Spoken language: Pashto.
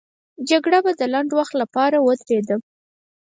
جګړه به د لنډ وخت لپاره ودرېده.